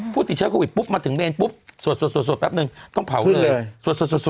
ผู้ติดเชื้อโควิดมาถึงเมนสวดแปปนึงต้องเผาเสร็จ